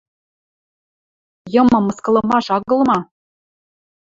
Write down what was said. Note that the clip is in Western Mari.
Йымым мыскылымаш агыл ма?!